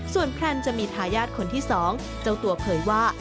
ส่วนแพลนจะมีทายาทคนที่๒เจ้าตัวเผยว่า